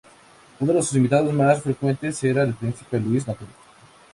Uno de sus invitados más frecuentes era el príncipe Luis Napoleón.